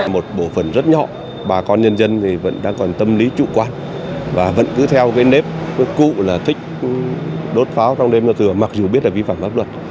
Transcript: một bộ phần rất nhỏ bà con nhân dân vẫn đang còn tâm lý trụ quan và vẫn cứ theo cái nếp cũ là thích đốt pháo trong đêm ra cửa mặc dù biết là vi phạm pháp luật